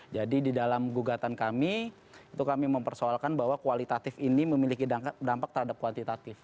jadi di dalam gugatan kami itu kami mempersoalkan bahwa kualitatif ini memiliki dampak terhadap kualitatif